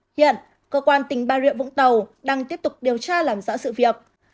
hiện cơ quan tỉnh ba rượu vũng tàu đang tiếp tục điều tra làm rõ sự việc